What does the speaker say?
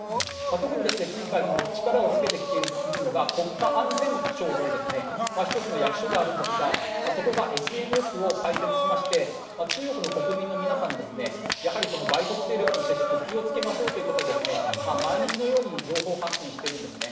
特に今回力をつけてきているのが国家安全省という１つの役所があるんですがそこがＳＮＳを開設しまして中国の国民の皆さんにやはり外国勢力との接触気をつけましょうということを毎日のように情報発信してるんですね。